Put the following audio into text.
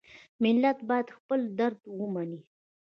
ملت باید خپل درد ومني.